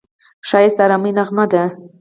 ښایست د ارامۍ نغمه ده